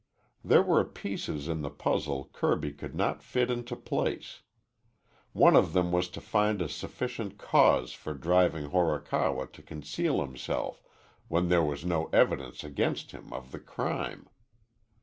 There were pieces in the puzzle Kirby could not fit into place. One of them was to find a sufficient cause for driving Horikawa to conceal himself when there was no evidence against him of the crime.